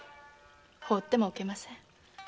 ほうってもおけません。